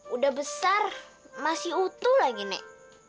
udah besar masih utuh lagi nek